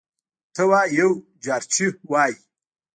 ته وا یو جارچي وايي: